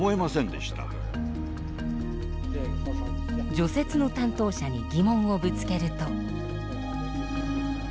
除雪の担当者に疑問をぶつけると。